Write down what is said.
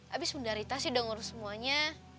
abis bunda rita sih udah ngurus semuanya